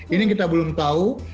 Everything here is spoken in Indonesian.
ini kita belum tahu